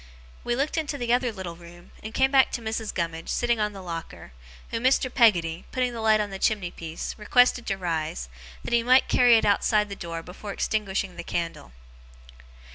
We looked into the other little room, and came back to Mrs. Gummidge, sitting on the locker, whom Mr. Peggotty, putting the light on the chimney piece, requested to rise, that he might carry it outside the door before extinguishing the candle.